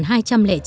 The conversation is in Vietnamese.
đã hy sinh